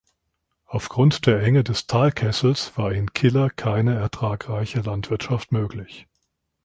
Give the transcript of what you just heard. Aufgrund der Enge des Talkessels war in Killer keine ertragreiche Landwirtschaft möglich.